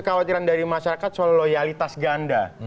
kekhawatiran dari masyarakat soal loyalitas ganda